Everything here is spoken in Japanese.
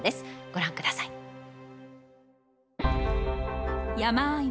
ご覧ください。